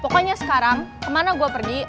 pokoknya sekarang kemana gue pergi